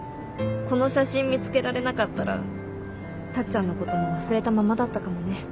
この写真見つけられなかったらタッちゃんのことも忘れたままだったかもね。